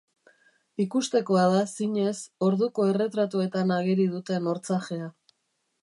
Ikustekoa da, zinez, orduko erretratoetan ageri duten hortzajea.